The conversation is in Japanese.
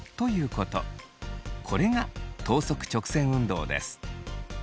これが等速直線運動です。